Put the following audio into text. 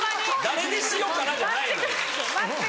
「誰にしようかな」じゃないのよ。